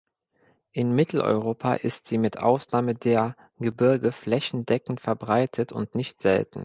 In Mitteleuropa ist sie mit Ausnahme der Gebirge flächendeckend verbreitet und nicht selten.